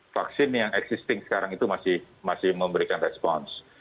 vaksin yang existing sekarang itu masih memberikan respons